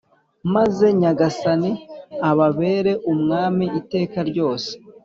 maze Nyagasani ababere umwami iteka ryose.